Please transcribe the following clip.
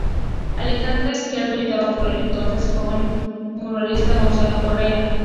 Alejandra Izquierdo, ayudada por el entonces joven muralista Gonzalo Correa.